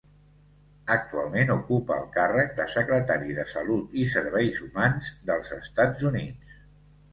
Actualment ocupa el càrrec de Secretari de Salut i Serveis Humans dels Estats Units.